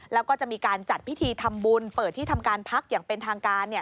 แล้วก็จะมีการจัดพิธีทำบุญเปิดที่ทำการพักอย่างเป็นทางการ